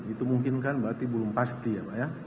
itu mungkin kan berarti belum pasti ya pak ya